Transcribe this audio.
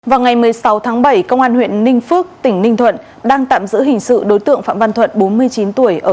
vào ngày một mươi sáu tháng bảy công an huyện ninh phước tỉnh ninh thuận đang tạm giữ hình sự đối tượng phạm văn thuận bốn mươi chín tuổi